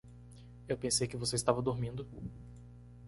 Eu pensei que você estava dormindo.